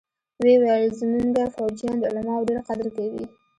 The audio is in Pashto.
ويې ويل زمونګه فوجيان د علماوو ډېر قدر کوي.